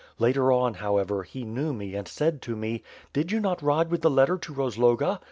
Later on, however, he knew me and said to me. Did you not ride with the letter to Rozloga?'